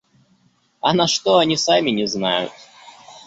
А на что — они сами не знают.